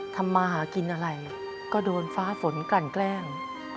ทำมาหากินอะไรก็โดนฟ้าฝนกลั่นแกล้ง